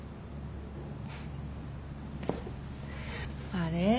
あれ？